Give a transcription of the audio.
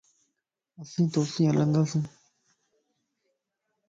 اسين تو سين ھلنداسين